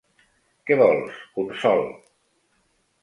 Què vols, Consol?